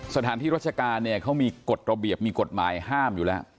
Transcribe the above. สถานที่รัชการเนี่ยเขามีกฎระเบียบมีกฎหมายห้ามอยู่แล้ว